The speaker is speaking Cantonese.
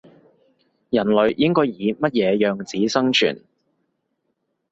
人類應該以乜嘢樣子生存